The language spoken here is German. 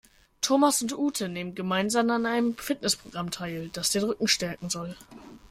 Thomas und Ute nehmen gemeinsam an einem Fitnessprogramm teil, das den Rücken stärken soll.